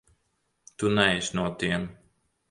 Tu neesi no tiem.